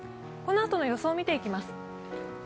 このあとの予想を見ていきます。